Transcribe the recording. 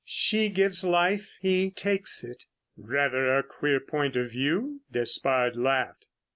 She gives life, he takes it." "Rather a queer point of view," Despard laughed.